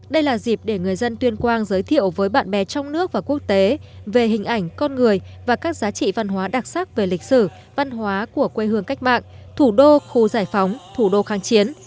đây là dịp để người dân tuyên quang giới thiệu với bạn bè trong nước và quốc tế về hình ảnh con người và các giá trị văn hóa đặc sắc về lịch sử văn hóa của quê hương cách mạng thủ đô khu giải phóng thủ đô kháng chiến